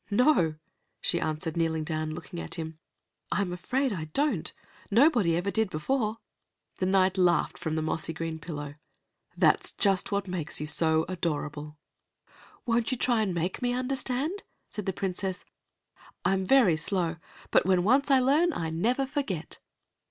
"No," she answered, kneeling down and looking at him, "I'm afraid I don't. Nobody ever did before." The Knight laughed out from the mossy green pillow. "That's just what makes you so adorable." "Won't you try to make me understand?" said the Princess. "I am very slow, but when I once learn, I never forget."